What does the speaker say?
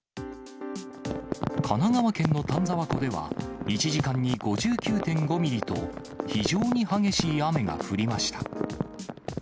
神奈川県の丹沢湖では、１時間に５９．５ミリと、非常に激しい雨が降りました。